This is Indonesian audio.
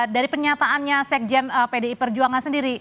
dari pernyataannya sekjen pdip perjuangan sendiri